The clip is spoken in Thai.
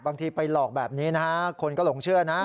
บางทีไปหลอกแบบนี้นะคนก็หลงเชื่อนะ